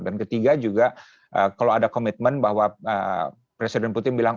dan ketiga juga kalau ada komitmen bahwa presiden putin bilang